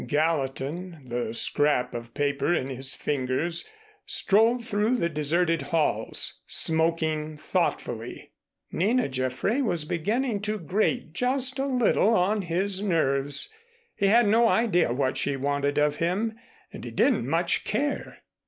Gallatin, the scrap of paper in his fingers, strolled through the deserted halls, smoking thoughtfully. Nina Jaffray was beginning to grate just a little on his nerves. He had no idea what she wanted of him and he didn't much care.